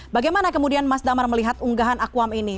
bagaimana kemudian mas damar melihat unggahan akuam ini